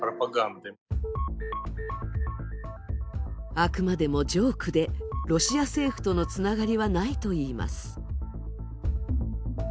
あくまでもジョークで、ロシア政府とのつながりはないといいます。